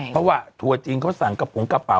เพราะว่าทัวร์จีนเขาสั่งกระโปรงกระเป๋า